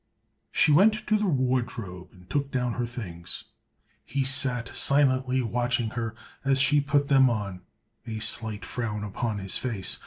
She went to the wardrobe and took down her things. He sat silently watching her as she put them on, a slight frown upon his face.